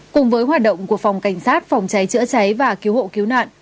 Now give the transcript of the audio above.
cùng với hoạt động của phòng cảnh sát phòng cháy chữa cháy và cứu hộ cứu nạn